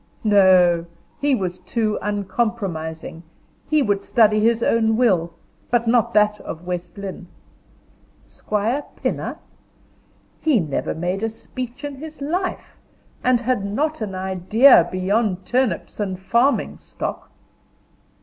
No! he was too uncompromising, he would study his own will, but not that of West Lynne. Squire Pinner? He never made a speech in his life, and had not an idea beyond turnips and farming stock.